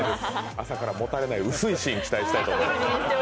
朝からもたれない薄いシーン期待したいと思います。